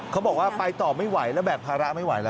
เขาบอกว่าไปต่อไม่ไหวแล้วแบกภาระไม่ไหวแล้ว